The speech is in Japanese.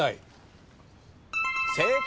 正解。